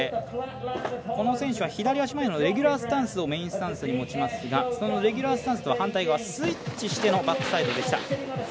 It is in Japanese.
この選手は左足前のレギュラースタンスをメインスタンスに持ちますがそのレギュラースタンスとは反対側スイッチしてのバックサイドでした。